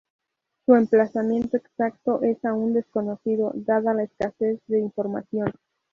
Su emplazamiento exacto es aún desconocido, dada la escasez de información.